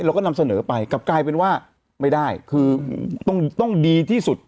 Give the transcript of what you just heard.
เราก็นำเสนอไปกลับกลายเป็นว่าไม่ได้คือต้องดีที่สุด